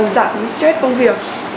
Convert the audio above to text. dạng stress công việc